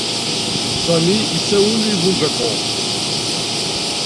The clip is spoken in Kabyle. Sami issawel i bugaṭu.